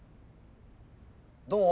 どう？